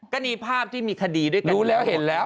ก็นี่ภาพที่มีคดีด้วยกันทั้งหมด